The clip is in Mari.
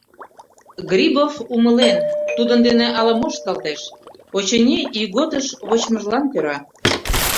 Грибов умылен, тудын дене ала-мо ышталтеш, очыни, ийготыш вочмыжлан кӧра.